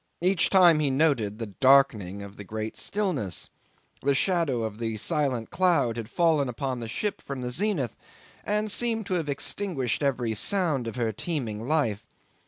Each time he noted the darkening of the great stillness. The shadow of the silent cloud had fallen upon the ship from the zenith, and seemed to have extinguished every sound of her teeming life.